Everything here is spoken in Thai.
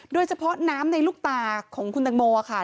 โดยเฉพาะน้ำในลูกตาของคุณตังโมค่ะ